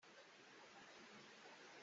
Facang vamh nak ah ṭalawn kan hman.